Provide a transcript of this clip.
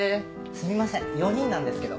すみません４人なんですけど。